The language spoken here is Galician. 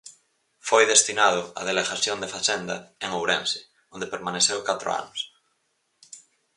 Foi destinado á delegación de Facenda en Ourense, onde permaneceu catro anos.